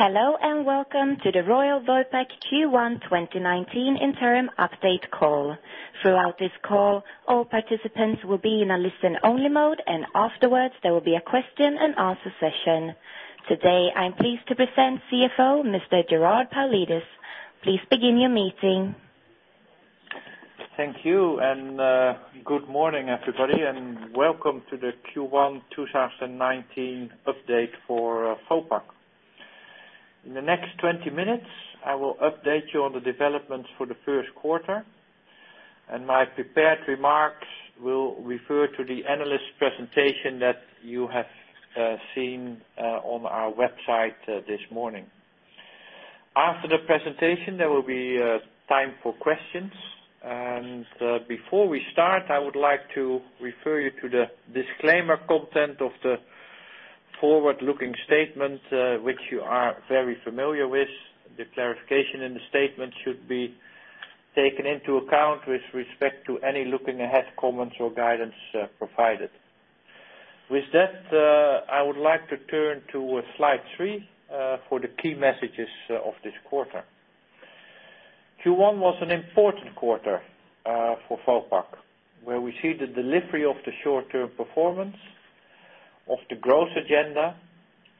Welcome to The Royal Vopak Q1 2019 interim update call. Throughout this call, all participants will be in a listen-only mode. Afterwards, there will be a question and answer session. Today, I'm pleased to present CFO, Mr. Gerard Paulides. Please begin your meeting. Thank you. Good morning, everybody, and welcome to the Q1 2019 update for Vopak. In the next 20 minutes, I will update you on the developments for the first quarter. My prepared remarks will refer to the analyst presentation that you have seen on our website this morning. After the presentation, there will be time for questions. Before we start, I would like to refer you to the disclaimer content of the forward-looking statement, which you are very familiar with. The clarification in the statement should be taken into account with respect to any looking ahead comments or guidance provided. With that, I would like to turn to slide three for the key messages of this quarter. Q1 was an important quarter for Vopak, where we see the delivery of the short-term performance of the growth agenda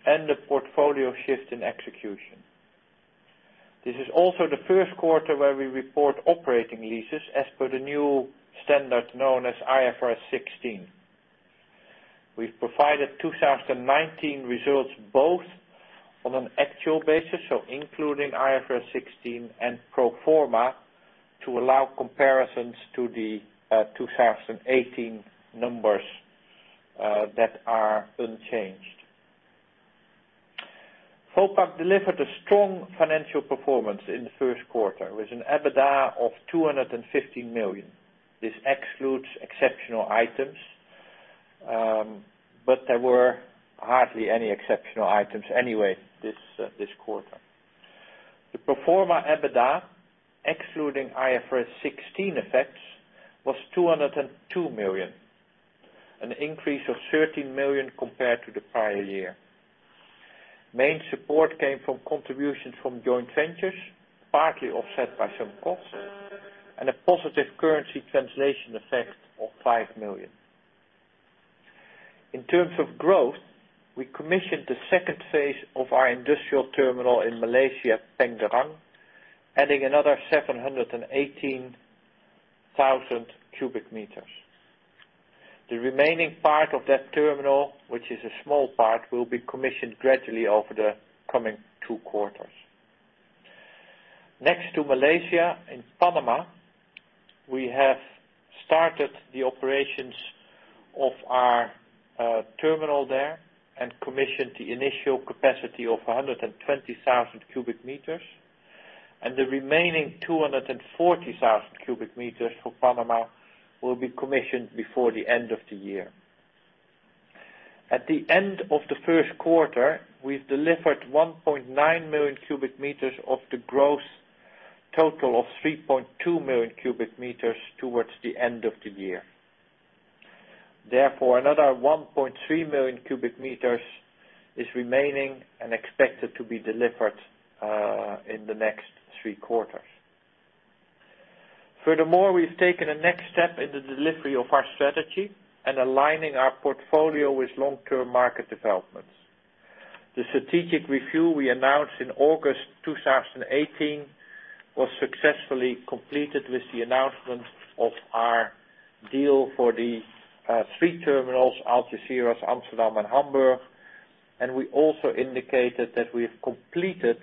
and the portfolio shift in execution. This is also the first quarter where we report operating leases as per the new standard known as IFRS 16. We've provided 2019 results both on an actual basis, so including IFRS 16 and pro forma, to allow comparisons to the 2018 numbers that are unchanged. Vopak delivered a strong financial performance in the first quarter, with an EBITDA of 215 million. This excludes exceptional items. There were hardly any exceptional items anyway this quarter. The pro forma EBITDA, excluding IFRS 16 effects, was 202 million, an increase of 13 million compared to the prior year. Main support came from contributions from joint ventures, partly offset by some costs, and a positive currency translation effect of 5 million. In terms of growth, we commissioned the phase 2 of our industrial terminal in Malaysia, Pengerang, adding another 718,000 cubic meters. The remaining part of that terminal, which is a small part, will be commissioned gradually over the coming two quarters. Next to Malaysia, in Panama, we have started the operations of our terminal there and commissioned the initial capacity of 120,000 cubic meters. The remaining 240,000 cubic meters for Panama will be commissioned before the end of the year. At the end of the first quarter, we've delivered 1.9 million cubic meters of the gross total of 3.2 million cubic meters towards the end of the year. Therefore, another 1.3 million cubic meters is remaining and expected to be delivered in the next three quarters. Furthermore, we've taken a next step in the delivery of our strategy and aligning our portfolio with long-term market developments. The strategic review we announced in August 2018 was successfully completed with the announcement of our deal for the three terminals, Algeciras, Amsterdam, and Hamburg. We also indicated that we have completed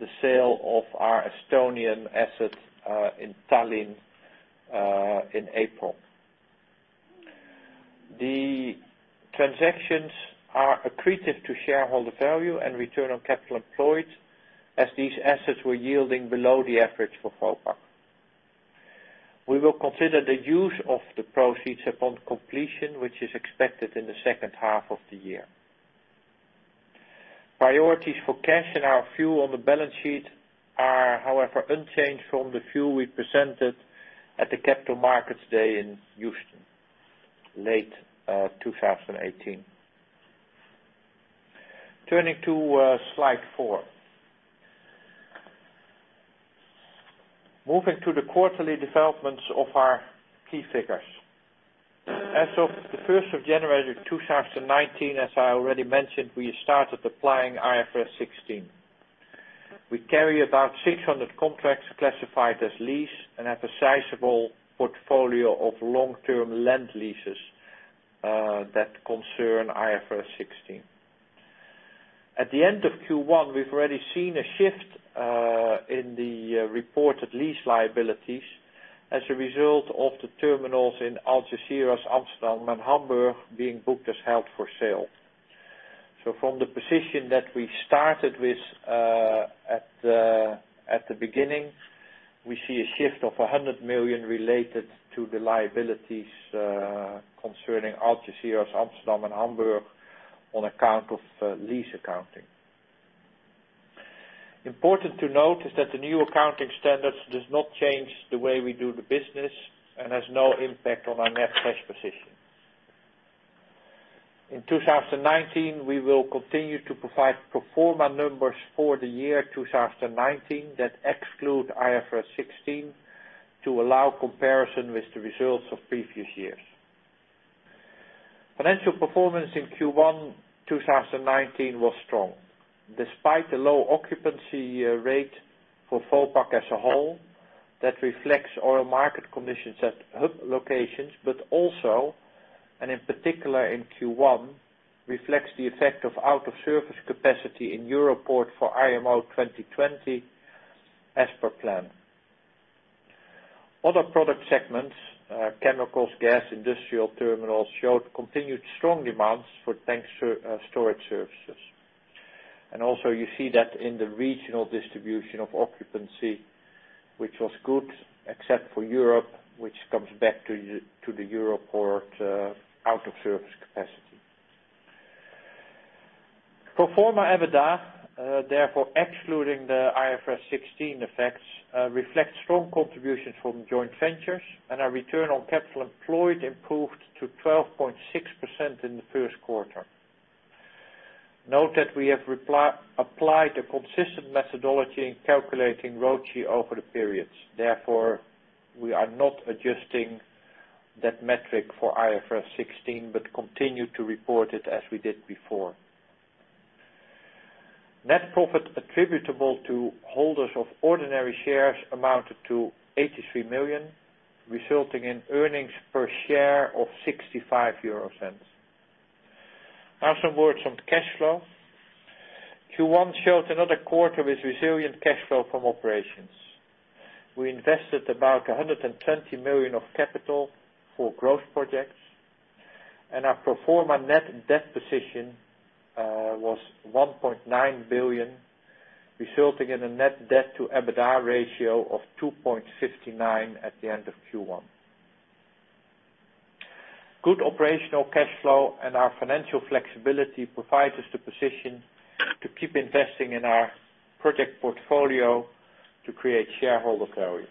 the sale of our Estonian assets in Tallinn, in April. The transactions are accretive to shareholder value and return on capital employed as these assets were yielding below the average for Vopak. We will consider the use of the proceeds upon completion, which is expected in the second half of the year. Priorities for cash in our view on the balance sheet are, however, unchanged from the view we presented at the Capital Markets Day in Houston, late 2018. Turning to slide four. Moving to the quarterly developments of our key figures. As of the 1st of January 2019, as I already mentioned, we started applying IFRS 16. We carry about 600 contracts classified as lease and have a sizable portfolio of long-term land leases that concern IFRS 16. At the end of Q1, we have already seen a shift in the reported lease liabilities as a result of the terminals in Algeciras, Amsterdam, and Hamburg being booked as held for sale. From the position that we started with at the beginning, we see a shift of 100 million related to the liabilities concerning Algeciras, Amsterdam, and Hamburg on account of lease accounting. Important to note is that the new accounting standards does not change the way we do the business and has no impact on our net cash position. In 2019, we will continue to provide pro forma numbers for the year 2019 that exclude IFRS 16 to allow comparison with the results of previous years. Financial performance in Q1 2019 was strong, despite the low occupancy rate for Vopak as a whole. That reflects oil market conditions at hub locations, but also, and in particular in Q1, reflects the effect of out-of-service capacity in Europoort for IMO 2020 as per plan. Other product segments, chemicals, gas, industrial terminals, showed continued strong demands for tank storage services. Also you see that in the regional distribution of occupancy, which was good except for Europe, which comes back to the Europoort out-of-service capacity. Pro forma EBITDA, therefore excluding the IFRS 16 effects, reflects strong contributions from joint ventures, and our return on capital employed improved to 12.6% in the first quarter. Note that we have applied a consistent methodology in calculating ROCE over the periods. Therefore, we are not adjusting that metric for IFRS 16, but continue to report it as we did before. Net profit attributable to holders of ordinary shares amounted to 83 million, resulting in earnings per share of 0.65. Now some words on cash flow. Q1 showed another quarter with resilient cash flow from operations. We invested about 120 million of capital for growth projects, and our pro forma net debt position was 1.9 billion, resulting in a net debt to EBITDA ratio of 2.59 at the end of Q1. Good operational cash flow and our financial flexibility provides us the position to keep investing in our project portfolio to create shareholder value.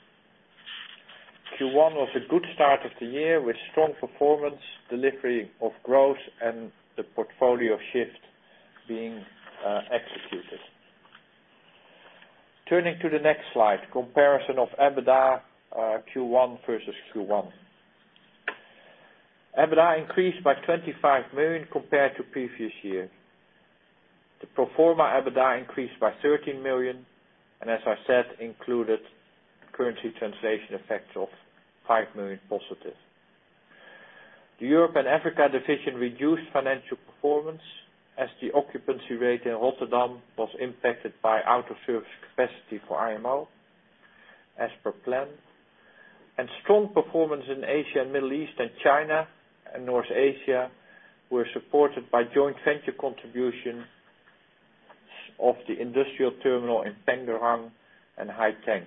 Q1 was a good start of the year with strong performance, delivery of growth, and the portfolio shift being executed. Turning to the next slide, comparison of EBITDA Q1 versus Q1. EBITDA increased by 25 million compared to previous year. The pro forma EBITDA increased by 13 million, as I said, included currency translation effects of 5 million positive. The Europe and Africa division reduced financial performance as the occupancy rate in Rotterdam was impacted by out-of-service capacity for IMO, as per plan. Strong performance in Asia and Middle East and China and North Asia were supported by joint venture contributions of the industrial terminal in Pengerang and Haiteng.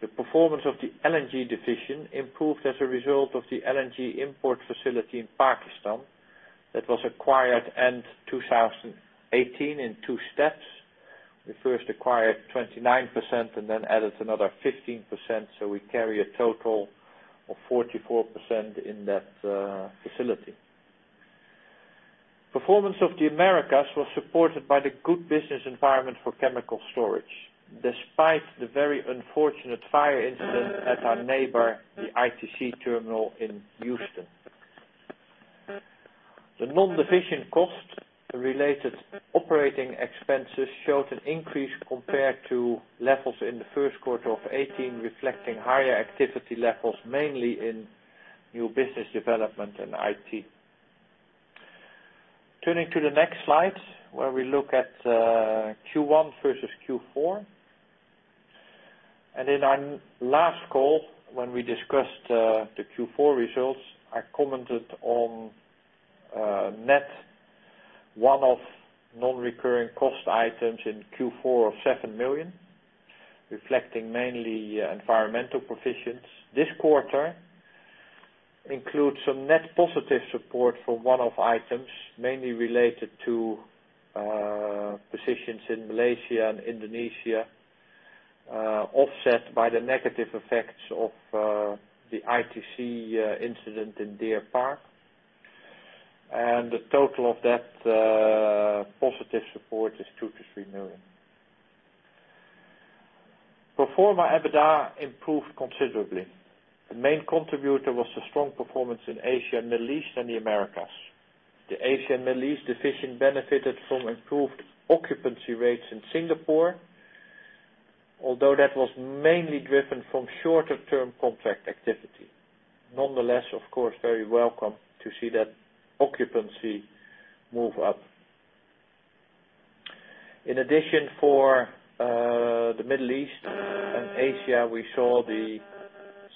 The performance of the LNG division improved as a result of the LNG import facility in Pakistan that was acquired end 2018 in two steps. We first acquired 29% and then added another 15%, so we carry a total of 44% in that facility. Performance of the Americas was supported by the good business environment for chemical storage, despite the very unfortunate fire incident at our neighbor, the ITC terminal in Houston. The non-division cost related operating expenses showed an increase compared to levels in the first quarter of 2018, reflecting higher activity levels, mainly in new business development and IT. Turning to the next slide, where we look at Q1 versus Q4. In our last call, when we discussed the Q4 results, I commented on net one-off non-recurring cost items in Q4 of 7 million, reflecting mainly environmental provisions. This quarter includes some net positive support from one-off items, mainly related to positions in Malaysia and Indonesia, offset by the negative effects of the ITC incident in Deer Park. The total of that positive support is EUR 2 million-EUR 3 million. Pro forma EBITDA improved considerably. The main contributor was the strong performance in Asia, Middle East, and the Americas. The Asia and Middle East division benefited from improved occupancy rates in Singapore, although that was mainly driven from shorter-term contract activity. Nonetheless, of course, very welcome to see that occupancy move up. In addition, for the Middle East and Asia, we saw the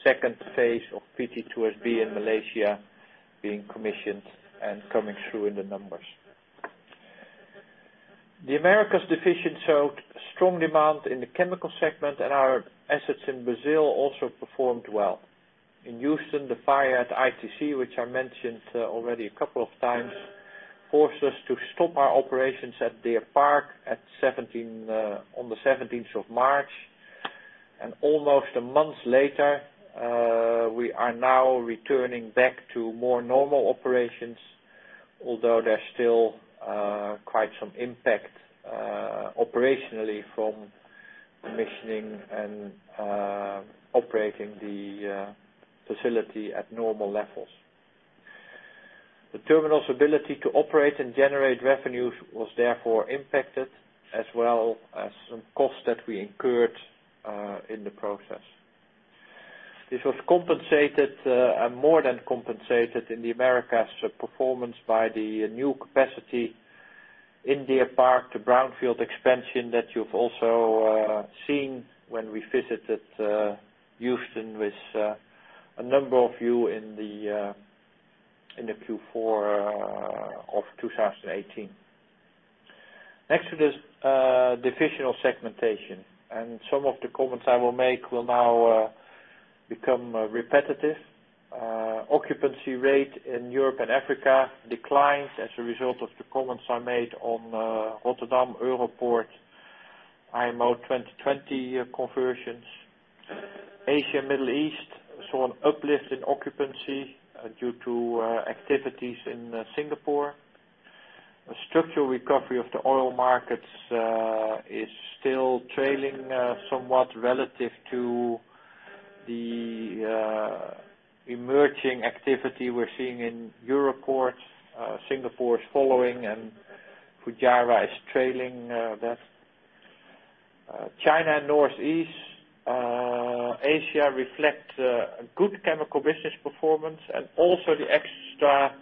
second phase of PT2SB in Malaysia being commissioned and coming through in the numbers. The Americas division showed strong demand in the chemical segment, and our assets in Brazil also performed well. In Houston, the fire at ITC, which I mentioned already a couple of times, forced us to stop our operations at Deer Park on the 17th of March. Almost a month later, we are now returning back to more normal operations, although there's still quite some impact operationally from commissioning and operating the facility at normal levels. The terminal's ability to operate and generate revenues was therefore impacted, as well as some costs that we incurred in the process. This was compensated, and more than compensated, in the Americas performance by the new capacity in Deer Park, the brownfield expansion that you've also seen when we visited Houston with a number of you in the Q4 of 2018. Next to this divisional segmentation, some of the comments I will make will now become repetitive. Occupancy rate in Europe and Africa declines as a result of the comments I made on Rotterdam Europoort IMO 2020 conversions. Asia and Middle East saw an uplift in occupancy due to activities in Singapore. A structural recovery of the oil markets is still trailing somewhat relative to the emerging activity we're seeing in Europoort. Singapore is following, Fujairah is trailing that. China, Northeast Asia reflect a good chemical business performance and also the extra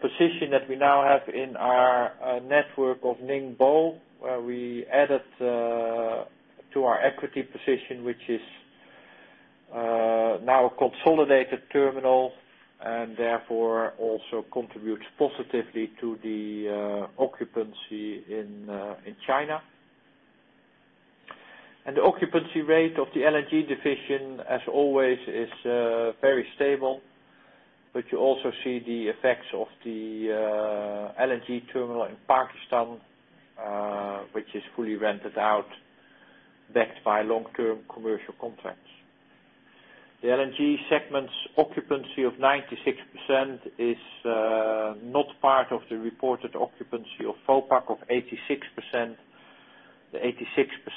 position that we now have in our network of Ningbo, where we added to our equity position, which is now a consolidated terminal and therefore also contributes positively to the occupancy in China. The occupancy rate of the LNG division, as always, is very stable. You also see the effects of the LNG terminal in Pakistan, which is fully rented out backed by long-term commercial contracts. The LNG segment's occupancy of 96% is not part of the reported occupancy of Vopak of 86%. The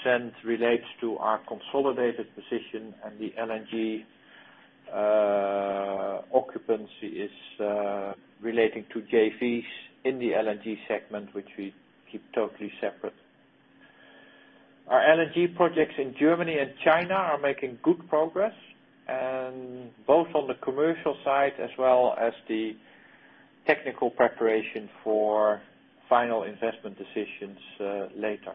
86% relates to our consolidated position and the LNG occupancy is relating to JVs in the LNG segment, which we keep totally separate. Our LNG projects in Germany and China are making good progress. Both on the commercial side as well as the technical preparation for final investment decisions later.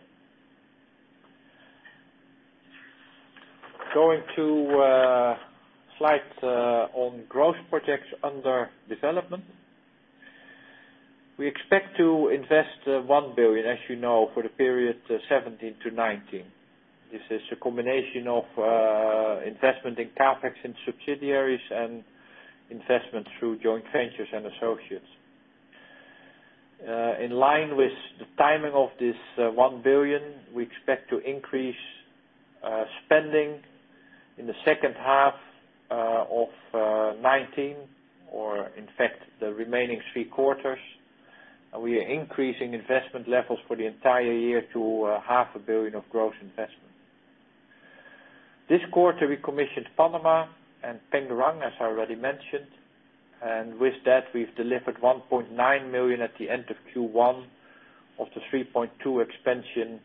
Going to slides on growth projects under development. We expect to invest 1 billion, as you know, for the period 2017 to 2019. This is a combination of investment in CapEx in subsidiaries and investment through joint ventures and associates. In line with the timing of this 1 billion, we expect to increase spending in the second half of 2019, or in fact, the remaining three quarters. We are increasing investment levels for the entire year to half a billion of gross investment. This quarter, we commissioned Panama and Pengerang, as I already mentioned, and with that, we've delivered 1.9 million at the end of Q1 of the 3.2 expansion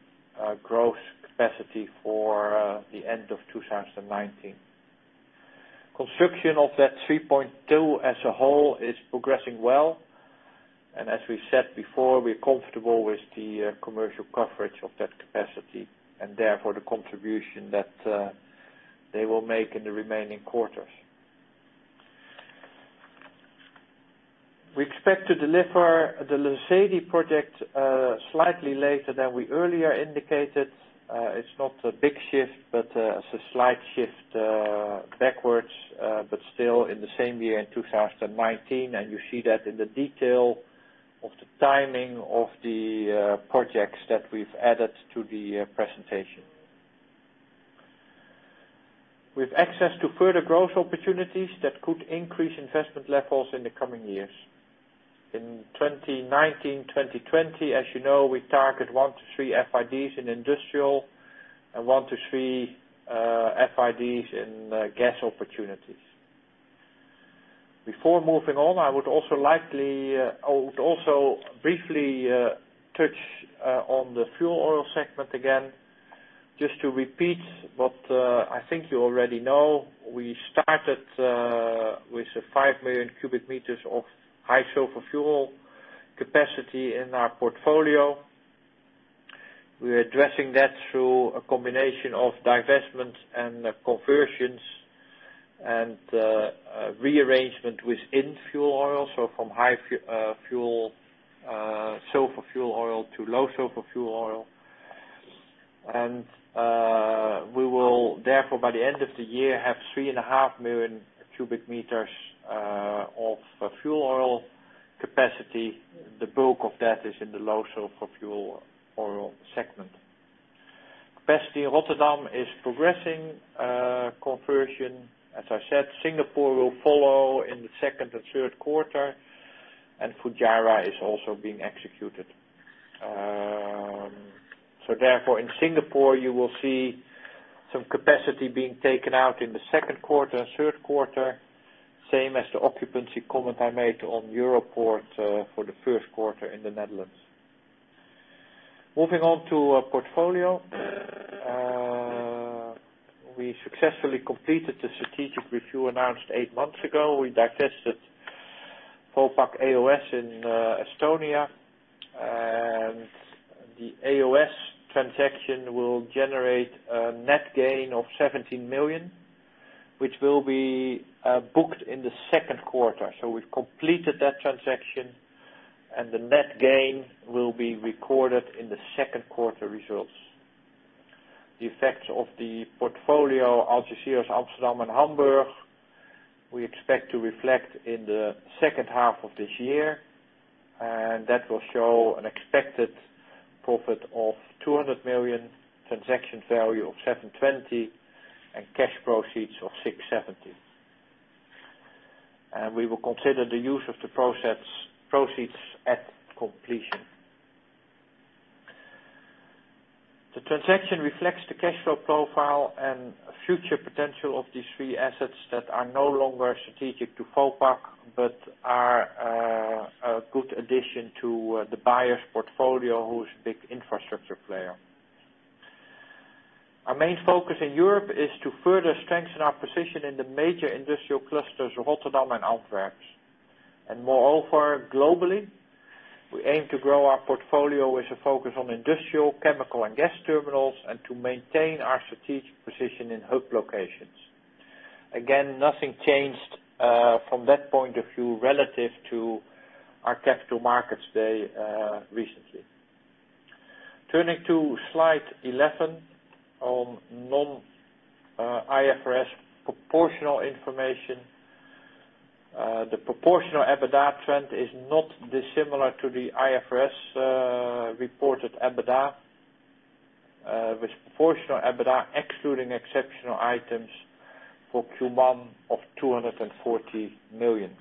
growth capacity for the end of 2019. Construction of that 3.2 as a whole is progressing well. As we said before, we're comfortable with the commercial coverage of that capacity, and therefore the contribution that they will make in the remaining quarters. We expect to deliver the Lesedi project slightly later than we earlier indicated. It's not a big shift, but it's a slight shift backwards, but still in the same year in 2019. You see that in the detail of the timing of the projects that we've added to the presentation. With access to further growth opportunities that could increase investment levels in the coming years. In 2019, 2020, as you know, we target one to three FIDs in industrial and one to three FIDs in gas opportunities. Before moving on, I would also briefly touch on the fuel oil segment again. Just to repeat what I think you already know, we started with a 5 million cubic meters of high sulfur fuel capacity in our portfolio. We are addressing that through a combination of divestments and conversions and rearrangement within fuel oil. From high sulfur fuel oil to low sulfur fuel oil. We will therefore, by the end of the year, have 3.5 million cubic meters of fuel oil capacity, the bulk of that is in the low sulfur fuel oil segment. Capacity in Rotterdam is progressing. Conversion, as I said, Singapore will follow in the second and third quarter. Fujairah is also being executed. Therefore, in Singapore, you will see some capacity being taken out in the second quarter and third quarter, same as the occupancy comment I made on Europoort for the first quarter in the Netherlands. Moving on to our portfolio. We successfully completed the strategic review announced eight months ago. We divested Vopak E.O.S. in Estonia, and the E.O.S. transaction will generate a net gain of 17 million, which will be booked in the second quarter. We have completed that transaction, and the net gain will be recorded in the second quarter results. The effects of the portfolio, Algeciras, Amsterdam, and Hamburg, we expect to reflect in the second half of this year, and that will show an expected profit of 200 million, transaction value of 720 million, and cash proceeds of 670 million. We will consider the use of the proceeds at completion. The transaction reflects the cash flow profile and future potential of these three assets that are no longer strategic to Vopak, but are a good addition to the buyer's portfolio, who is a big infrastructure player. Our main focus in Europe is to further strengthen our position in the major industrial clusters, Rotterdam and Antwerp. Moreover, globally, we aim to grow our portfolio with a focus on industrial, chemical, and gas terminals, and to maintain our strategic position in hub locations. Again, nothing changed from that point of view relative to our Capital Markets Day recently. Turning to slide 11 on non-IFRS proportional information. The proportional EBITDA trend is not dissimilar to the IFRS-reported EBITDA, with proportional EBITDA excluding exceptional items for Q1 of 240 million.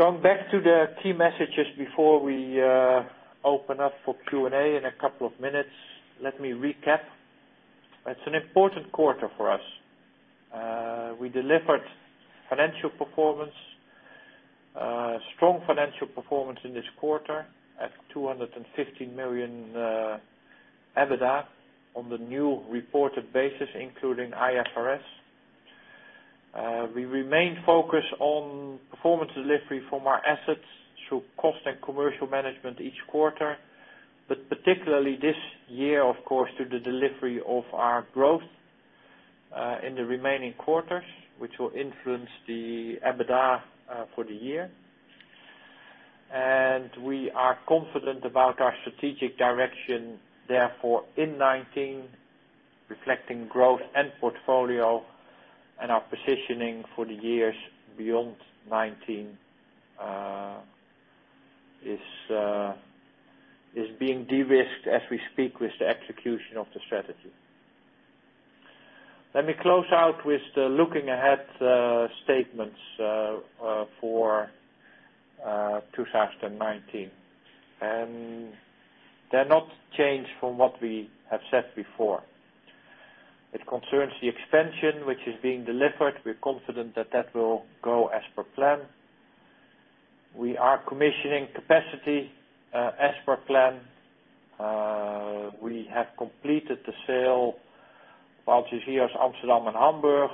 Going back to the key messages before we open up for Q&A in a couple of minutes, let me recap. It is an important quarter for us. We delivered financial performance, strong financial performance in this quarter at 215 million EBITDA on the new reported basis, including IFRS. We remain focused on performance delivery from our assets through cost and commercial management each quarter, but particularly this year, of course, through the delivery of our growth, in the remaining quarters, which will influence the EBITDA for the year. We are confident about our strategic direction, therefore, in 2019, reflecting growth and portfolio and our positioning for the years beyond 2019, is being de-risked as we speak with the execution of the strategy. Let me close out with the looking ahead statements for 2019. They are not changed from what we have said before. It concerns the expansion, which is being delivered. We are confident that that will go as per plan. We are commissioning capacity, as per plan. We have completed the sale of Algeciras, Amsterdam, and Hamburg,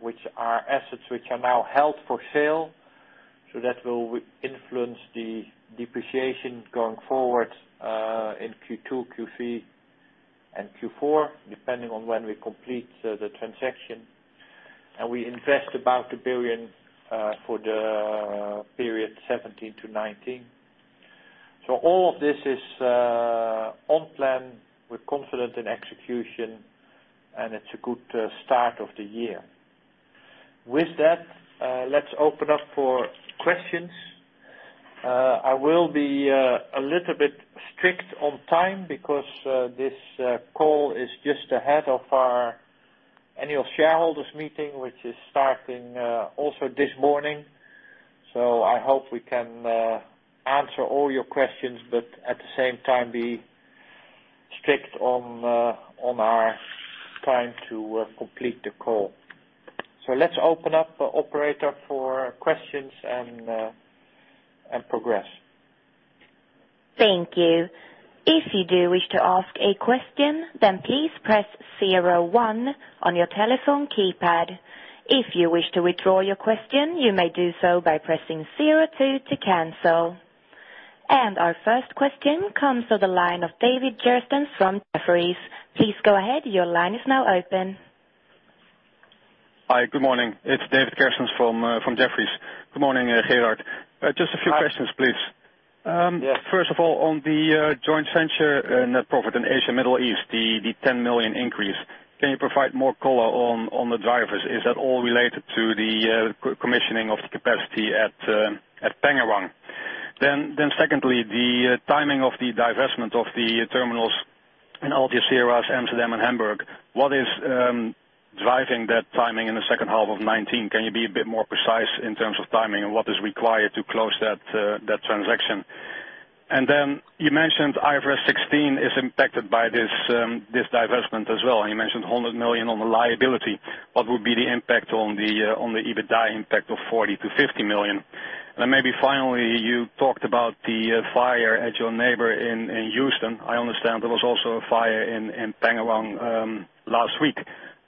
which are assets which are now held for sale. That will influence the depreciation going forward, in Q2, Q3, and Q4, depending on when we complete the transaction. We invest about 1 billion for the period 2017 to 2019. All of this is on plan. We are confident in execution, and it is a good start of the year. With that, let us open up for questions. I will be a little bit strict on time because this call is just ahead of our annual shareholders meeting, which is starting also this morning. I hope we can answer all your questions, but at the same time, be strict on our time to complete the call. Let us open up, operator, for questions and progress. Thank you. If you do wish to ask a question, then please press 01 on your telephone keypad. If you wish to withdraw your question, you may do so by pressing 02 to cancel. Our first question comes to the line of David Kerstens from Jefferies. Please go ahead. Your line is now open. Hi. Good morning. It's David Kerstens from Jefferies. Good morning, Gerard. Just a few questions, please. Yes. First of all, on the joint venture net profit in Asia, Middle East, the 10 million increase. Can you provide more color on the drivers? Is that all related to the commissioning of the capacity at Pengerang? Secondly, the timing of the divestment of the terminals in Algeciras, Amsterdam, and Hamburg. What is driving that timing in the second half of 2019? Can you be a bit more precise in terms of timing, and what is required to close that transaction? You mentioned IFRS 16 is impacted by this divestment as well, and you mentioned 100 million on the liability. What would be the impact on the EBITDA impact of 40 million-50 million? Maybe finally, you talked about the fire at your neighbor in Houston. I understand there was also a fire in Pengerang last week.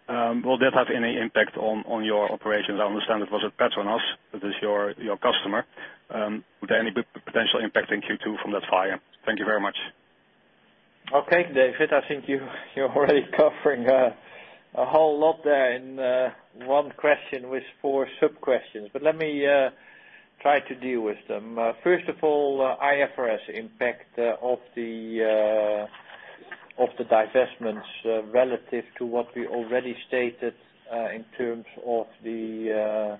Will that have any impact on your operations? I understand it was at PETRONAS. That is your customer. Would there any potential impact in Q2 from that fire? Thank you very much. Okay. David, I think you're already covering a whole lot there in one question with four sub-questions. Let me try to deal with them. First of all, IFRS impact of the divestments relative to what we already stated, in terms of the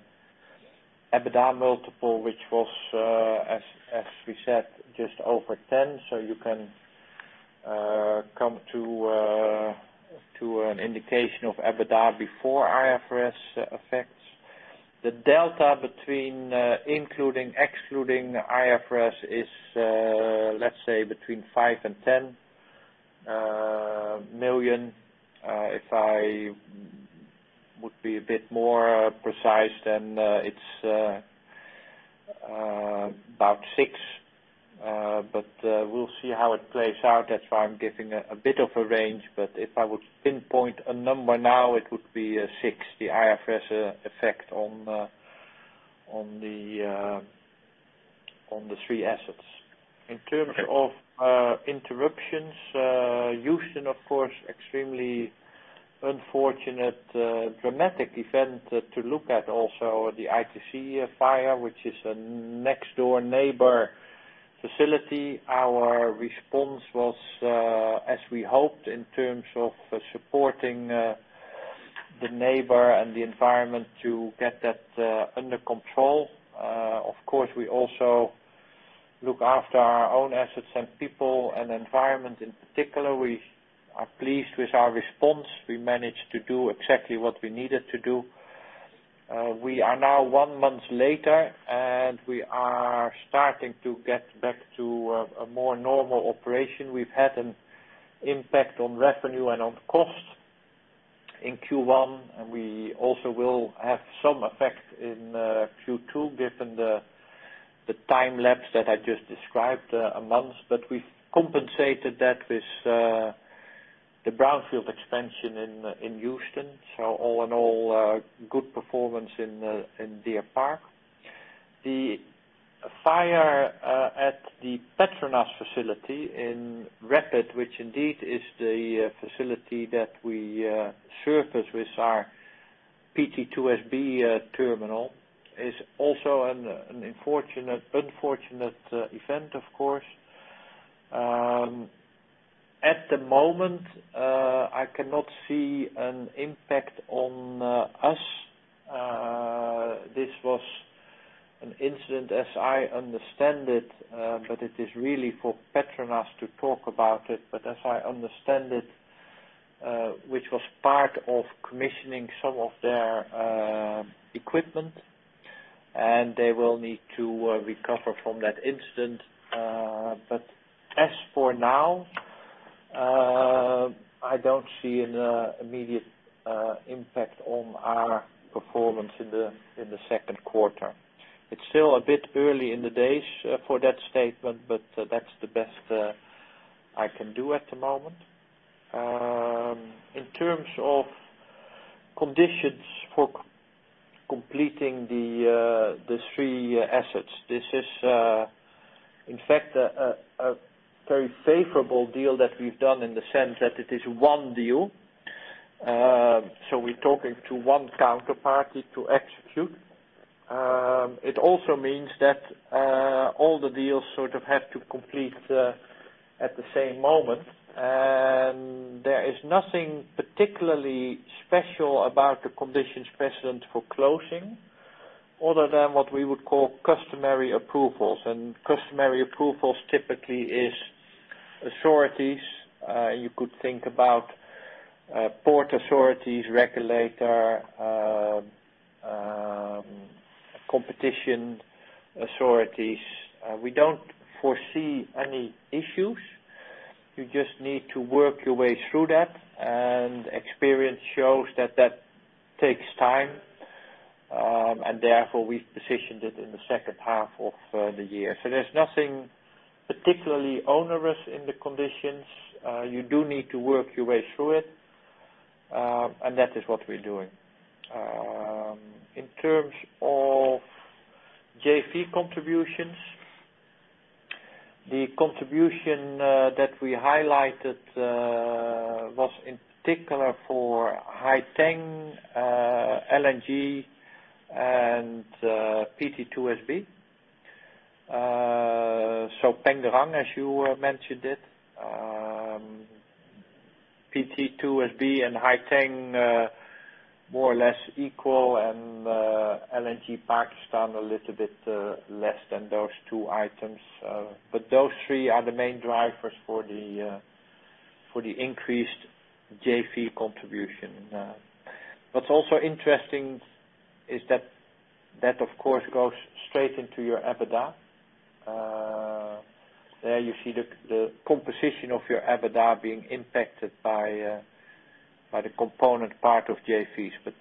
EBITDA multiple, which was, as we said, just over 10. You can come to an indication of EBITDA before IFRS effects. The delta between including, excluding IFRS is, let's say between five and 10 million. If I would be a bit more precise, it's about six. We'll see how it plays out. That's why I'm giving a bit of a range. If I would pinpoint a number now, it would be six, the IFRS effect on the three assets. Okay. In terms of interruptions, Houston, of course, extremely unfortunate, dramatic event to look at, also the ITC fire, which is a next door neighbor facility. Our response was, as we hoped, in terms of supporting the neighbor and the environment to get that under control. Of course, we also look after our own assets and people and environment in particular. We are pleased with our response. We managed to do exactly what we needed to do. We are now one month later. We are starting to get back to a more normal operation. We've had an impact on revenue and on cost in Q1. We also will have some effect in Q2, given the time lapse that I just described, a month. We've compensated that with the brownfield expansion in Houston. All in all, good performance in Deer Park. The fire at the PETRONAS facility in RAPID, which indeed is the facility that we surface with our PT2SB terminal is also an unfortunate event, of course. At the moment, I cannot see an impact on us. This was an incident as I understand it. It is really for PETRONAS to talk about it. As I understand it, which was part of commissioning some of their equipment. They will need to recover from that incident. As for now, I don't see an immediate impact on our performance in the second quarter. It's still a bit early in the days for that statement. That's the best I can do at the moment. In terms of conditions for completing the three assets, this is, in fact, a very favorable deal that we've done in the sense that it is one deal. We're talking to one counterparty to execute. It also means that all the deals sort of have to complete at the same moment. There is nothing particularly special about the conditions precedent for closing other than what we would call customary approvals. Customary approvals typically is authorities. You could think about port authorities, regulator, competition authorities. We don't foresee any issues. You just need to work your way through that. Experience shows that that takes time. Therefore, we've positioned it in the second half of the year. There's nothing particularly onerous in the conditions. You do need to work your way through it. That is what we're doing. In terms of JV contributions, the contribution that we highlighted was in particular for Haiteng, LNG, and PT2SB. Pengerang, as you mentioned it. PT2SB and Haiteng, more or less equal, and LNG Pakistan a little bit less than those two items. Those three are the main drivers for the increased JV contribution. What's also interesting is that, of course, goes straight into your EBITDA. There you see the composition of your EBITDA being impacted by the component part of JVs, but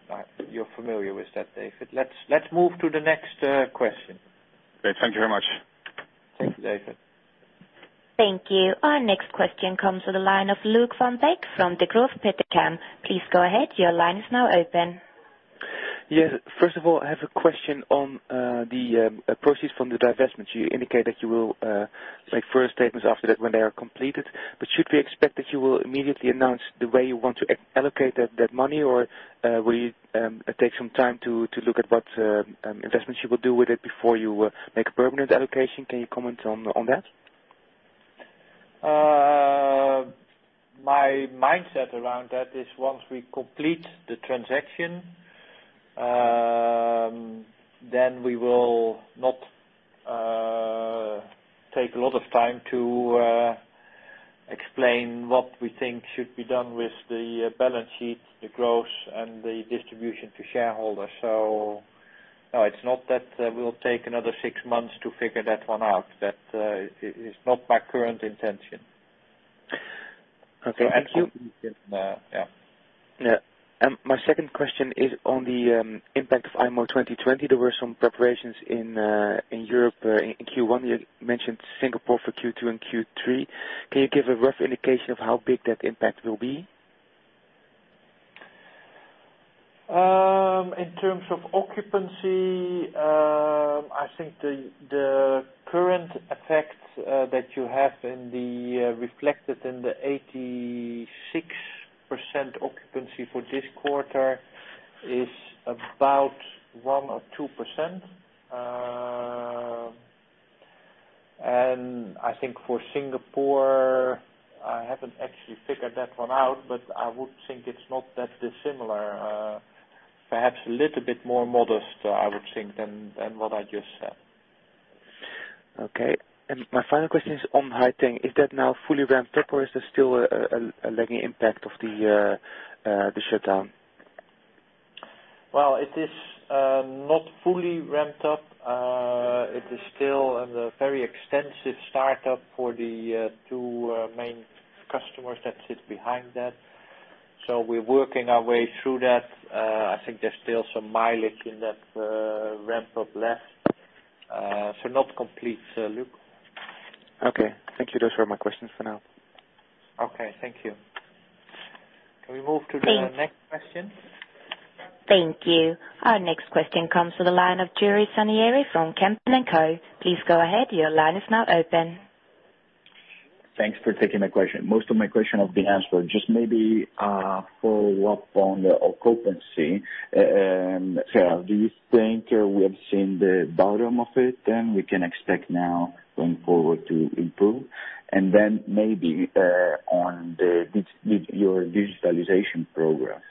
you're familiar with that, David. Let's move to the next question. Great. Thank you very much. Thank you, David. Thank you. Our next question comes to the line of Luuk van Beek from Degroof Petercam. Please go ahead. Your line is now open. Yes. First of all, I have a question on the proceeds from the divestment. You indicate that you will make first statements after that when they are completed. Should we expect that you will immediately announce the way you want to allocate that money, or will you take some time to look at what investments you will do with it before you make a permanent allocation? Can you comment on that? My mindset around that is once we complete the transaction, we will not take a lot of time to explain what we think should be done with the balance sheet, the growth and the distribution to shareholders. No, it's not that we'll take another 6 months to figure that one out. That is not my current intention. Okay. Thank you. Yeah. Yeah. My second question is on the impact of IMO 2020. There were some preparations in Europe in Q1. You mentioned Singapore for Q2 and Q3. Can you give a rough indication of how big that impact will be? In terms of occupancy, I think the current effect that you have reflected in the 86% occupancy for this quarter is about 1% or 2%. I think for Singapore, I haven't actually figured that one out, but I would think it's not that dissimilar. Perhaps a little bit more modest, I would think, than what I just said. Okay. My final question is on Haiteng. Is that now fully ramped up, or is there still a lagging impact of the shutdown? Well, it is not fully ramped up. It is still under very extensive startup for the two main customers that sit behind that. We're working our way through that. I think there's still some mileage in that ramp up left. Not complete, Luuk. Okay. Thank you. Those were my questions for now. Okay. Thank you. Can we move to the next question? Thank you. Our next question comes to the line of Juri Zanieri from Kempen & Co. Please go ahead. Your line is now open. Thanks for taking my question. Most of my question has been answered. Just maybe a follow-up on the occupancy. Sure. Do you think we have seen the bottom of it, and we can expect now going forward to improve? Then maybe on your digitalization progress,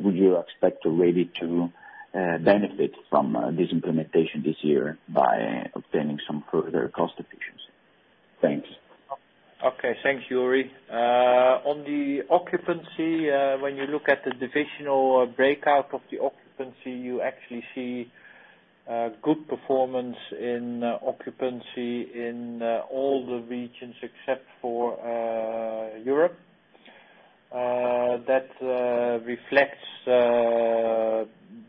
would you expect already to benefit from this implementation this year by obtaining some further cost efficiency? Thanks. Okay. Thanks, Yuri. On the occupancy, when you look at the divisional breakout of the occupancy, you actually see good performance in occupancy in all the regions except for Europe. That reflects the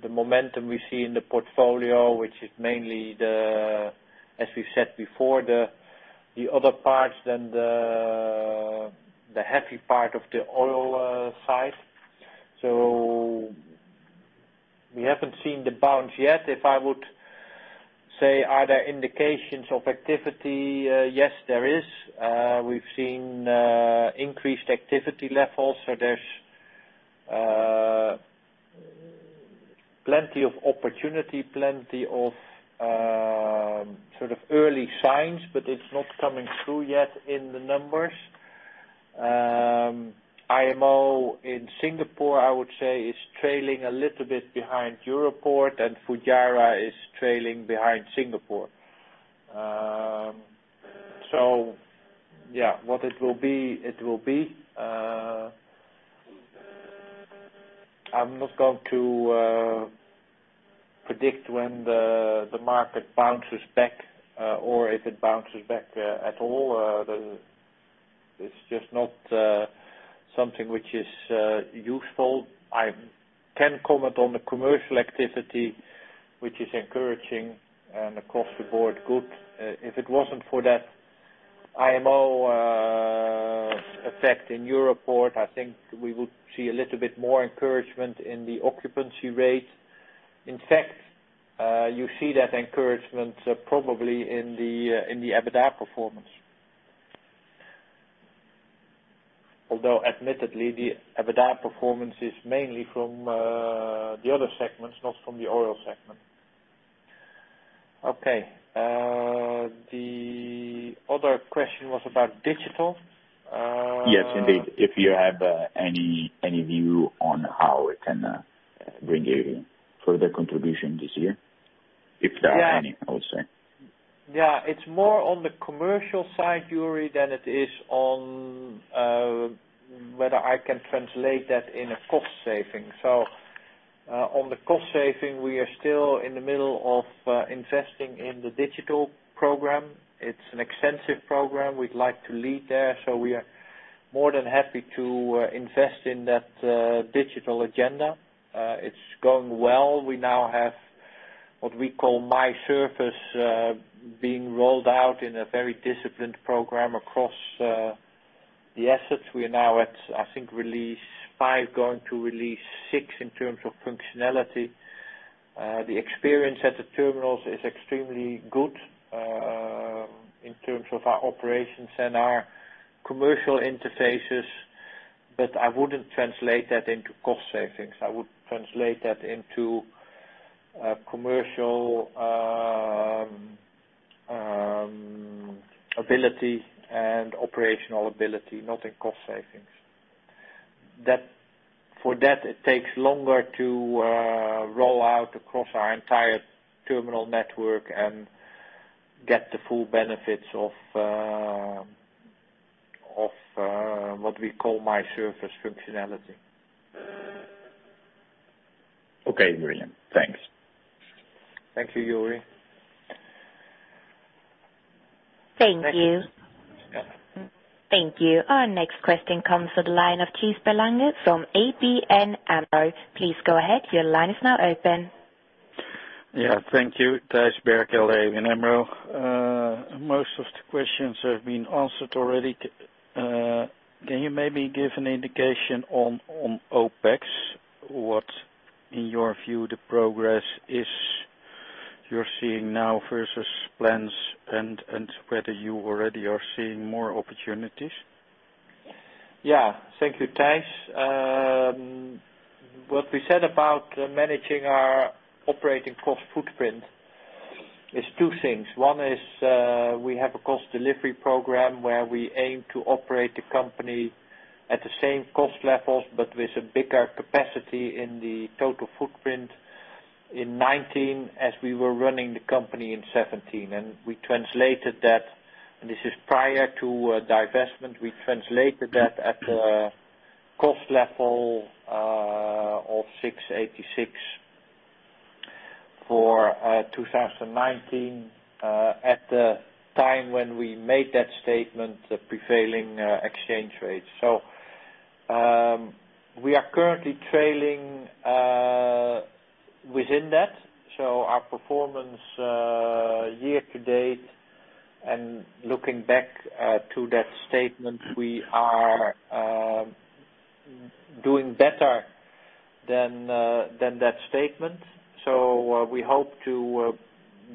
momentum we see in the portfolio, which is mainly, as we said before, the other parts than the heavy part of the oil side. We haven't seen the bounce yet. If I would say, are there indications of activity? Yes, there is. We've seen increased activity levels. There's plenty of opportunity, plenty of sort of early signs, but it's not coming through yet in the numbers. IMO in Singapore, I would say, is trailing a little bit behind Europoort, and Fujairah is trailing behind Singapore. Yeah, what it will be, it will be. I'm not going to predict when the market bounces back or if it bounces back at all. It's just not something which is useful. I can comment on the commercial activity, which is encouraging and across the board good. If it wasn't for that IMO effect in Europoort, I think we would see a little bit more encouragement in the occupancy rate. In fact, you see that encouragement probably in the EBITDA performance. Although admittedly, the EBITDA performance is mainly from the other segments, not from the oil segment. Okay. The other question was about digital. Yes, indeed. If you have any view on how it can bring a further contribution this year, if there are any, I would say. Yeah. It's more on the commercial side, Yuri, than it is on whether I can translate that in a cost saving. On the cost saving, we are still in the middle of investing in the digital program. It's an extensive program. We'd like to lead there, so we are more than happy to invest in that digital agenda. It's going well. We now have what we call My Service being rolled out in a very disciplined program across the assets. We are now at, I think, release five, going to release six in terms of functionality. The experience at the terminals is extremely good, in terms of our operations and our commercial interfaces. I wouldn't translate that into cost savings. I would translate that into commercial ability and operational ability, not in cost savings. For that, it takes longer to roll out across our entire terminal network and get the full benefits of what we call My Service functionality. Okay, brilliant. Thanks. Thank you, Yuri. Thank you. Our next question comes to the line of Thijs Berkelder from ABN AMRO. Please go ahead. Your line is now open. Yeah. Thank you. Thijs Berkelder, ABN AMRO. Most of the questions have been answered already. Can you maybe give an indication on OpEx? What, in your view, the progress is you're seeing now versus plans, and whether you already are seeing more opportunities? Yeah. Thank you, Thijs. What we said about managing our operating cost footprint is two things. One is, we have a cost delivery program where we aim to operate the company at the same cost levels, but with a bigger capacity in the total footprint in 2019 as we were running the company in 2017. We translated that, and this is prior to divestment, we translated that at the cost level of 686 for 2019, at the time when we made that statement, the prevailing exchange rates. We are currently trailing within that. Our performance year to date and looking back to that statement, we are doing better than that statement. We hope to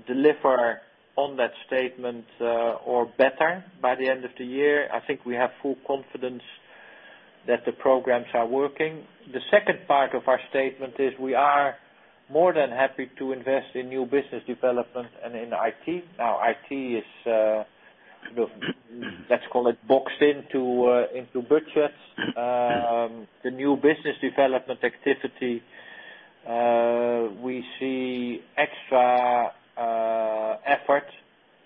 deliver on that statement, or better, by the end of the year. I think we have full confidence that the programs are working. The second part of our statement is we are more than happy to invest in new business development and in IT. Now, IT is, let's call it boxed into budgets. The new business development activity, we see extra effort,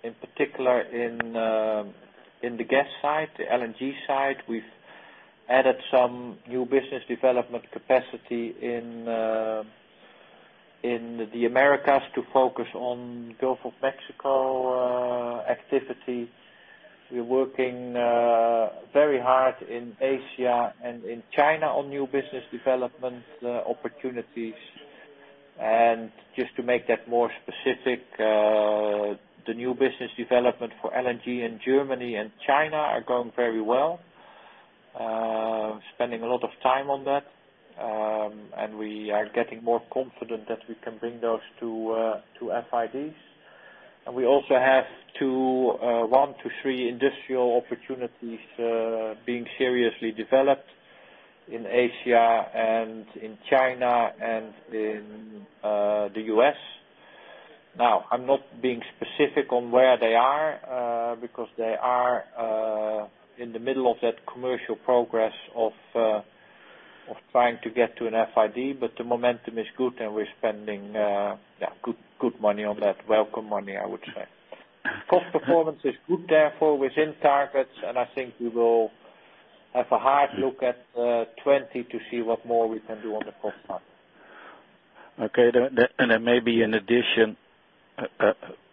in particular in the gas side, the LNG side. We've added some new business development capacity in the Americas to focus on Gulf of Mexico activity. We're working very hard in Asia and in China on new business development opportunities. Just to make that more specific, the new business development for LNG in Germany and China are going very well. Spending a lot of time on that. We are getting more confident that we can bring those two FIDs. We also have one to three industrial opportunities being seriously developed in Asia and in China and in the U.S. Now, I'm not being specific on where they are, because they are in the middle of that commercial progress of trying to get to an FID. The momentum is good and we're spending good money on that. Welcome money, I would say. Cost performance is good, therefore within targets. I think we will have a hard look at the 2020 to see what more we can do on the cost side. Maybe in addition,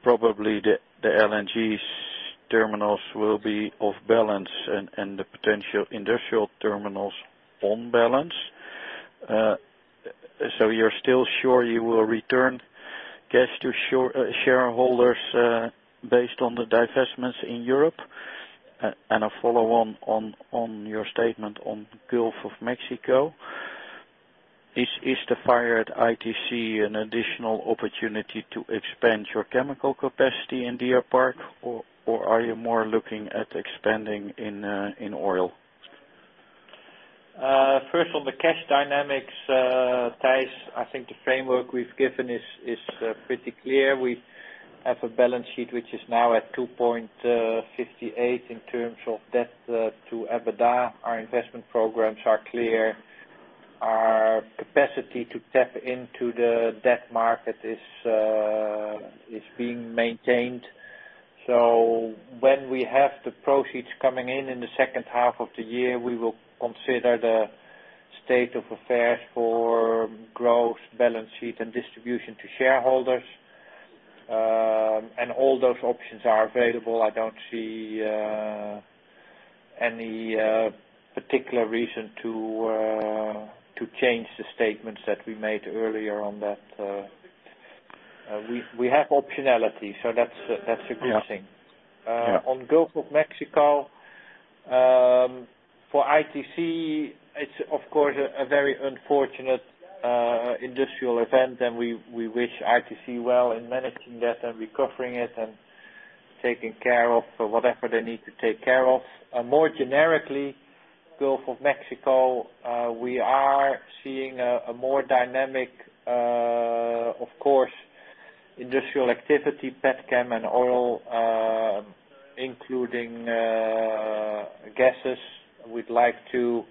probably the LNG terminals will be off balance and the potential industrial terminals on balance. You're still sure you will return cash to shareholders based on the divestments in Europe? A follow-on your statement on Gulf of Mexico. Is the fire at ITC an additional opportunity to expand your chemical capacity in Deer Park, or are you more looking at expanding in oil? First, on the cash dynamics, Thijs, I think the framework we've given is pretty clear. We have a balance sheet which is now at 2.58 in terms of net debt to EBITDA. Our investment programs are clear. Our capacity to tap into the debt market is being maintained. When we have the proceeds coming in in the second half of the year, we will consider the state of affairs for growth, balance sheet, and distribution to shareholders. All those options are available. I don't see any particular reason to change the statements that we made earlier on that. We have optionality. That's a good thing. Yeah. On Gulf of Mexico, for ITC, it's of course, a very unfortunate industrial event, and we wish ITC well in managing that and recovering it and taking care of whatever they need to take care of. More generically, Gulf of Mexico, we are seeing a more dynamic, of course, industrial activity, pet chem and oil, including gases. We'd like to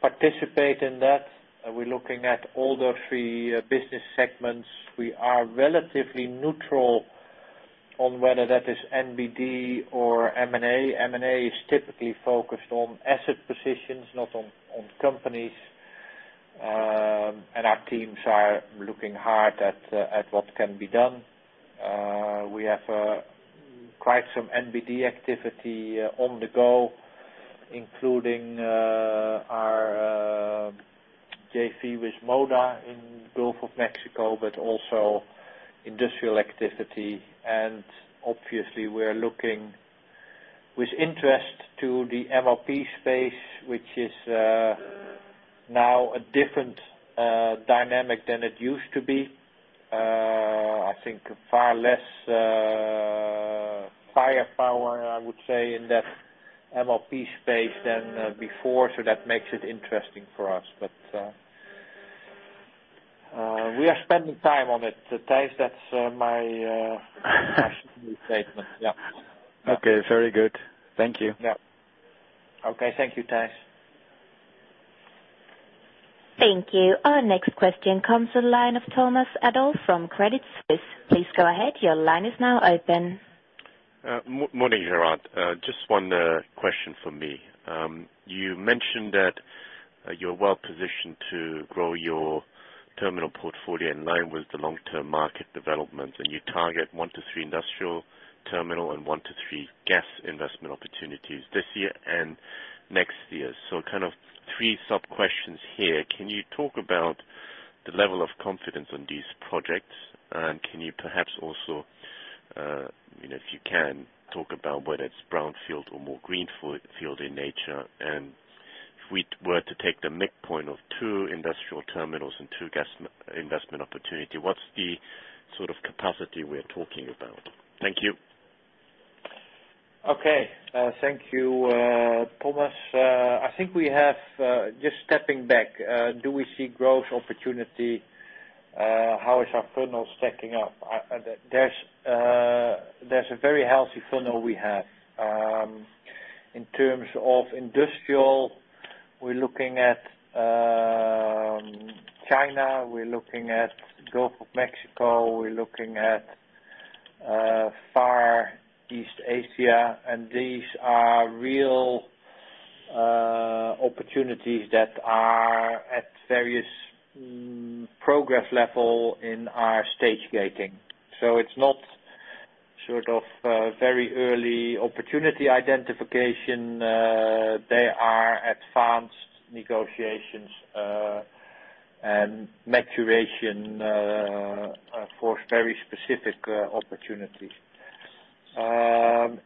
participate in that. We're looking at all the three business segments. We are relatively neutral on whether that is NBD or M&A. M&A is typically focused on asset positions, not on companies. Our teams are looking hard at what can be done. We have quite some NBD activity on the go, including our JV with MODA in the Gulf of Mexico, but also industrial activity. Obviously, we're looking with interest to the MLP space, which is now a different dynamic than it used to be. I think far less firepower, I would say, in that MLP space than before. That makes it interesting for us. We are spending time on it, Thijs. That's my statement. Yeah. Okay. Very good. Thank you. Yeah. Okay. Thank you, Thijs. Thank you. Our next question comes to the line of Thomas Adolff from Credit Suisse. Please go ahead. Your line is now open. Morning, Gerard. Just one question from me. You mentioned that you're well-positioned to grow your terminal portfolio in line with the long-term market development, and you target one to three industrial terminal and one to three gas investment opportunities this year and next year. Three sub-questions here. Can you talk about the level of confidence on these projects? And can you perhaps also, if you can, talk about whether it's brownfield or more greenfield in nature? And if we were to take the midpoint of two industrial terminals and two gas investment opportunity, what's the capacity we're talking about? Thank you. Okay. Thank you, Thomas. I think we have, just stepping back, do we see growth opportunity? How is our funnel stacking up? There's a very healthy funnel we have. In terms of industrial, we're looking at China, we're looking at Gulf of Mexico, we're looking at Far East Asia. These are real opportunities that are at various progress level in our stage gating. It's not very early opportunity identification. They are advanced negotiations and maturation for very specific opportunities. Let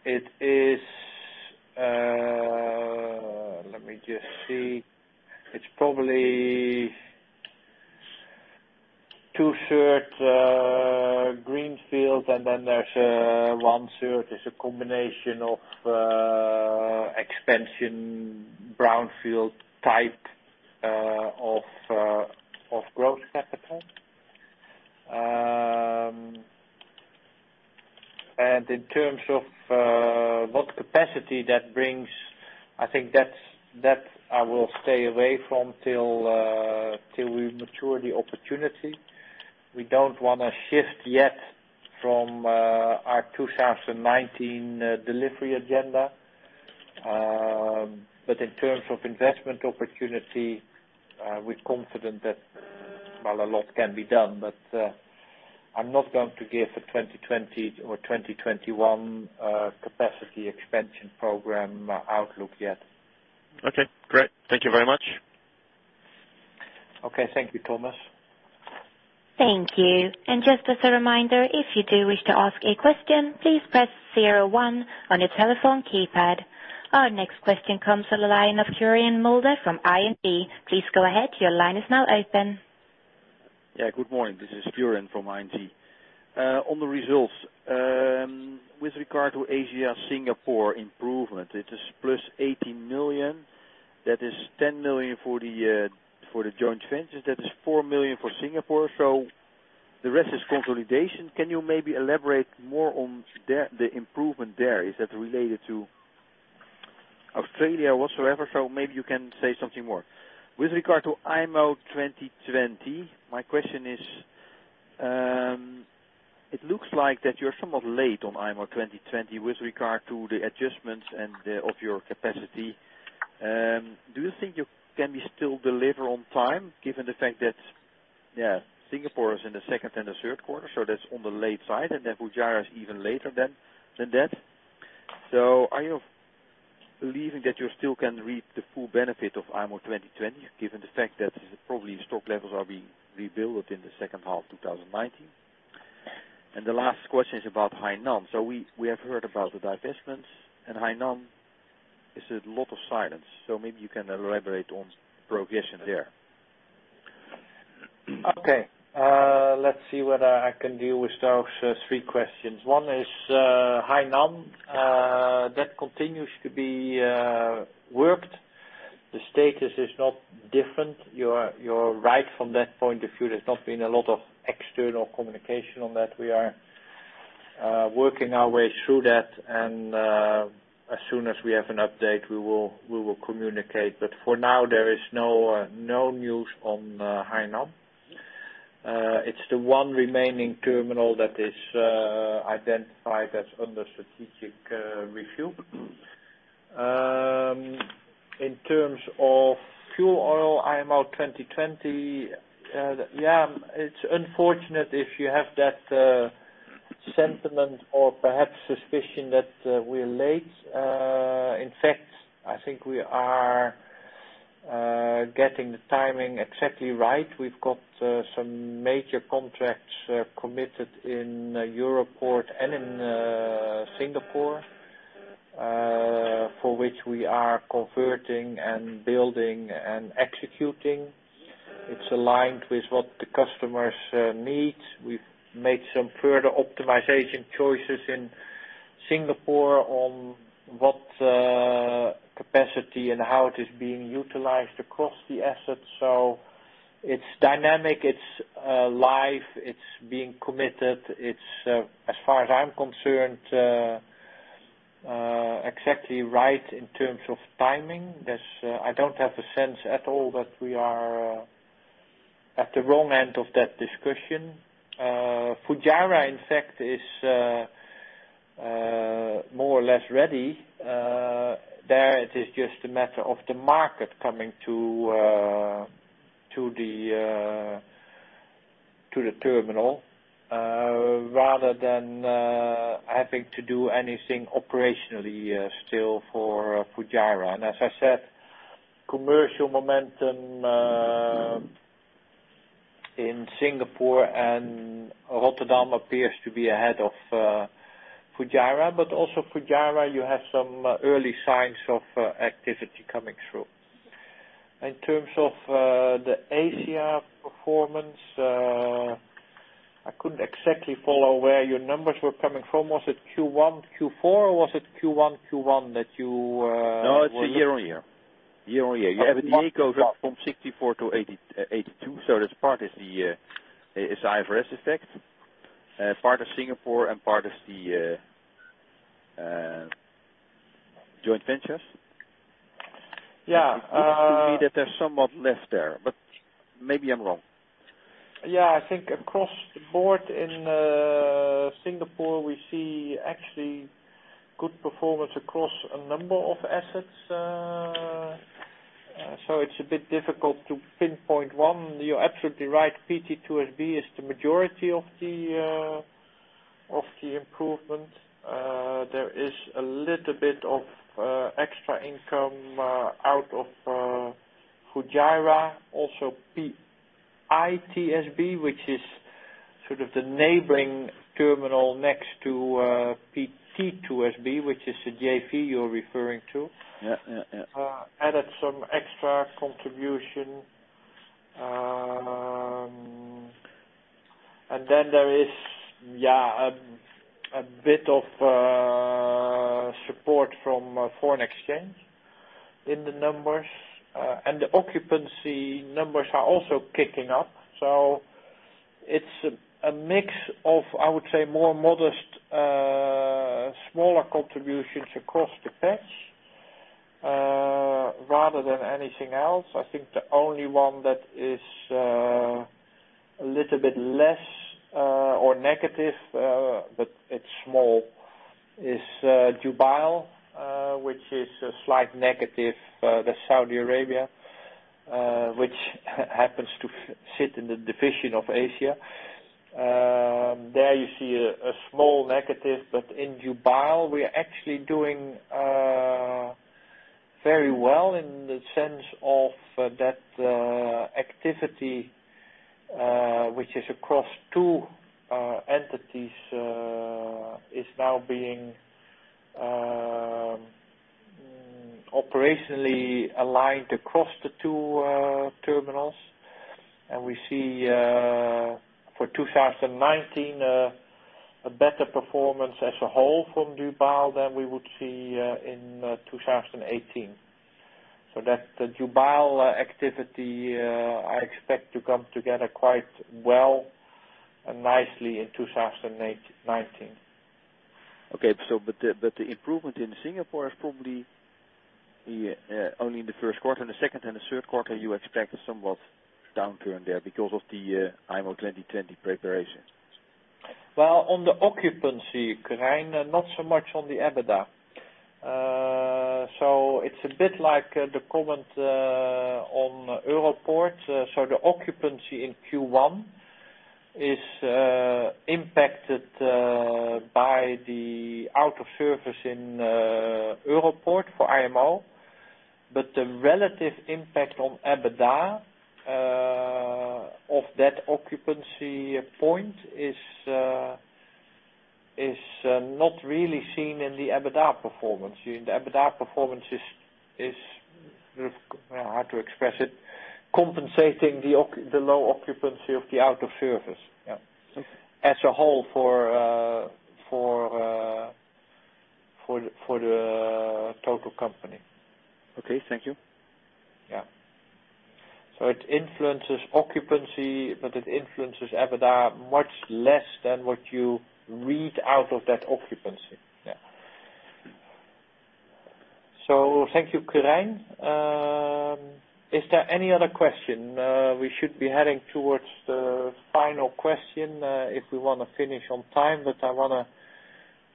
me just see. It's probably two-third greenfield, and then there's one-third is a combination of expansion brownfield type of growth capital. In terms of what capacity that brings, I think that I will stay away from till we mature the opportunity. We don't want to shift yet from our 2019 delivery agenda. In terms of investment opportunity, we're confident that a lot can be done. I'm not going to give a 2020 or 2021 capacity expansion program outlook yet. Okay, great. Thank you very much. Okay. Thank you, Thomas. Thank you. Just as a reminder, if you do wish to ask a question, please press 01 on your telephone keypad. Our next question comes from the line of Quirijn Mulder from ING. Please go ahead. Your line is now open. Good morning. This is Quirijn from ING. On the results, with regard to Asia, Singapore improvement, it is plus 18 million. That is 10 million for the joint ventures. That is 4 million for Singapore, the rest is consolidation. Can you maybe elaborate more on the improvement there? Is that related to Australia whatsoever? Maybe you can say something more. With regard to IMO 2020, my question is, it looks like that you're somewhat late on IMO 2020 with regard to the adjustments of your capacity. Do you think you can still deliver on time given the fact that Singapore is in the second and third quarter, that's on the late side, and then Fujairah is even later than that. Are you believing that you still can reap the full benefit of IMO 2020 given the fact that probably stock levels are being rebuilt in the second half 2019? The last question is about Hainan. We have heard about the divestments, and Hainan is a lot of silence. Maybe you can elaborate on progression there. Let's see whether I can deal with those three questions. One is Hainan. That continues to be worked. The status is not different. You're right from that point of view. There's not been a lot of external communication on that. We are working our way through that, and as soon as we have an update, we will communicate. For now, there is no news on Hainan. It's the one remaining terminal that is identified as under strategic review. In terms of fuel oil, IMO 2020, it's unfortunate if you have that sentiment or perhaps suspicion that we're late. In fact, I think we are getting the timing exactly right. We've got some major contracts committed in Europoort and in Singapore, for which we are converting and building and executing. It's aligned with what the customers need. We've made some further optimization choices in Singapore on what capacity and how it is being utilized across the assets. It's dynamic, it's live, it's being committed. It's, as far as I'm concerned, exactly right in terms of timing. I don't have a sense at all that we are at the wrong end of that discussion. Fujairah, in fact, is more or less ready. There, it is just a matter of the market coming to the terminal, rather than having to do anything operationally still for Fujairah. As I said, commercial momentum in Singapore and Rotterdam appears to be ahead of Fujairah, but also Fujairah, you have some early signs of activity coming through. In terms of the Asia performance, I couldn't exactly follow where your numbers were coming from. Was it Q1, Q4, or was it Q1 that you- No, it's a year-on-year. You have the from 64 to 82, that part is the IFRS effect. Part of Singapore and part is the joint ventures. Yeah. It seems to me that there's somewhat less there, maybe I'm wrong. Yeah, I think across the board in Singapore, we see actually good performance across a number of assets. It's a bit difficult to pinpoint one. You're absolutely right. PT2SB is the majority of the improvement. There is a little bit of extra income out of Fujairah. Also, PITSB, which is sort of the neighboring terminal next to PT2SB, which is the JV you're referring to. Yeah. Added some extra contribution. Then there is a bit of support from foreign exchange in the numbers. The occupancy numbers are also kicking up. It's a mix of, I would say, more modest, smaller contributions across the patch, rather than anything else. I think the only one that is a little bit less or negative, but it's small, is Jubail, which is a slight negative. That's Saudi Arabia, which happens to sit in the division of Asia. There you see a small negative, but in Jubail, we are actually doing very well in the sense of that activity, which is across two entities, is now being operationally aligned across the two terminals. We see for 2019 a better performance as a whole from Jubail than we would see in 2018. That Jubail activity, I expect to come together quite well and nicely in 2019. Okay. The improvement in Singapore is probably only in the first quarter, and the second and the third quarter, you expect somewhat downturn there because of the IMO 2020 preparations. Well, on the occupancy, Quirijn, not so much on the EBITDA. It's a bit like the comment on Europoort. The occupancy in Q1 is impacted by the out of service in Europoort for IMO. The relative impact on EBITDA of that occupancy point is not really seen in the EBITDA performance. The EBITDA performance is, how to express it, compensating the low occupancy of the out of service. Yeah. Okay. As a whole for the total company. Okay, thank you. Yeah. It influences occupancy, but it influences EBITDA much less than what you read out of that occupancy. Thank you, Quirijn. Is there any other question? We should be heading towards the final question, if we want to finish on time, but I want to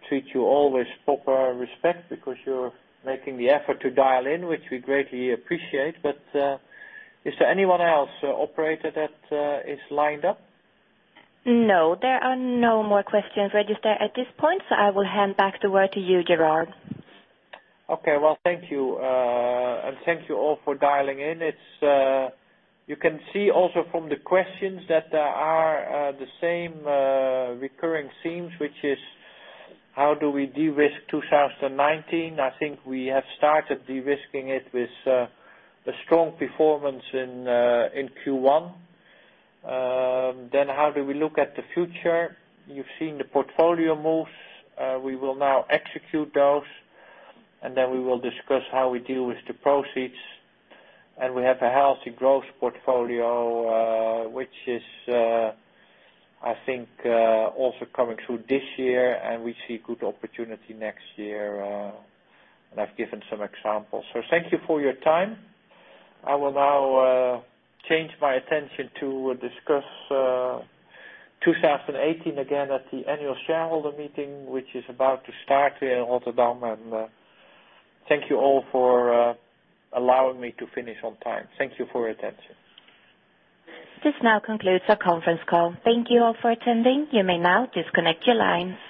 treat you all with proper respect because you're making the effort to dial in, which we greatly appreciate. Is anyone else, operator, that is lined up? No, there are no more questions registered at this point, I will hand back the word to you, Gerard. Okay. Well, thank you. Thank you all for dialing in. You can see also from the questions that there are the same recurring themes, which is, how do we de-risk 2019? I think we have started de-risking it with a strong performance in Q1. How do we look at the future? You've seen the portfolio moves. We will now execute those, and then we will discuss how we deal with the proceeds. We have a healthy growth portfolio, which is, I think, also coming through this year, and we see good opportunity next year. I've given some examples. Thank you for your time. I will now change my attention to discuss 2018 again at the annual shareholder meeting, which is about to start here in Rotterdam. Thank you all for allowing me to finish on time. Thank you for your attention. This now concludes our conference call. Thank you all for attending. You may now disconnect your lines.